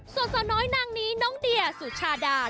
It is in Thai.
ส่วนสาวน้อยนางนี้น้องเดียสุชาดา